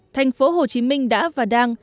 thành phố hồ chí minh đã và đang